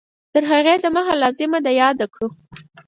تر هغې د مخه لازمه ده یاده کړو